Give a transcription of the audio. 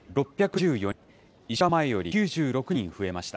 １週間前より９６人増えました。